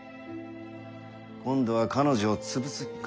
今度は彼女を潰す気か？